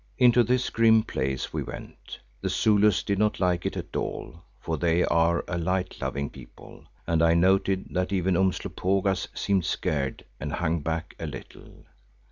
Into this grim place we went. The Zulus did not like it at all, for they are a light loving people and I noted that even Umslopogaas seemed scared and hung back a little.